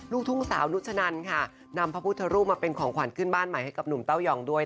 ลูกทุ่งสาวนุชนันค่ะนำพระพุทธรูปมาเป็นของขวัญขึ้นบ้านใหม่ให้กับหนุ่มเต้ายองด้วย